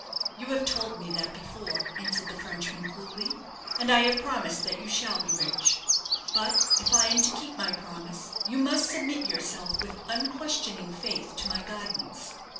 "You have told me that before," answered the Frenchman, coolly, "and I have promised that you shall be rich. But if I am to keep my promise, you must submit yourself with unquestioning faith to my guidance.